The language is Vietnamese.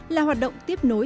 là hoạt động tiếp nối